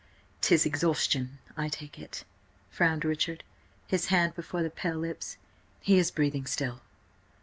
"'Tis exhaustion, I take it," frowned Richard, his hand before the pale lips. "He is breathing still."